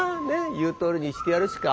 言うとおりにしてやるしか。